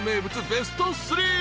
ベスト３。